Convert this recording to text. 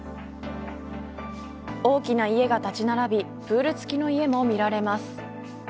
大きな家が建ち並びプール付きの家も見られます。